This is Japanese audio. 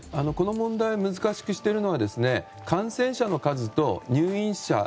この問題を難しくしているのは感染者数と入院者